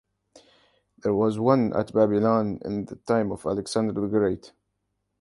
There was one at Babylon in the time of Alexander the Great.